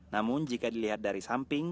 namun jika dilihat dari samping